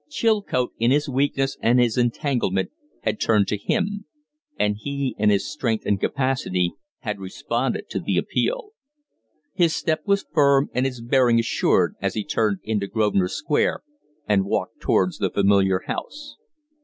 Chilcote in his weakness and his entanglement had turned to him; and he in his strength and capacity had responded to the appeal. His step was firm and his bearing assured as he turned into Grosvenor Square and walked towards the familiar house.